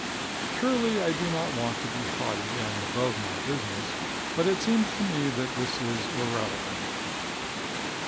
Surely I do not want to be haughty and above my business, but it seems to me that this is irrelevant.